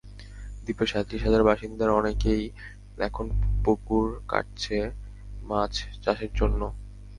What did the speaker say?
দ্বীপের সাঁইত্রিশ হাজার বাসিন্দার অনেকেই এখন পুকুর কাটছে মাছ চাষের জন্য।